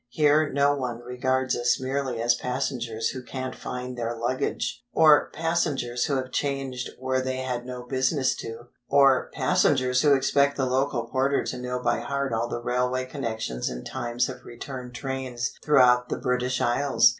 Here no one regards us merely as passengers who can't find their luggage; or, passengers who have changed where they had no business to; or, passengers who expect the local porter to know by heart all the railway connections and times of return trains throughout the British Isles.